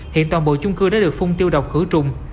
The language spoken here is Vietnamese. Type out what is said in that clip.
hiện toàn bộ trung cư đã được phung tiêu độc khử trùng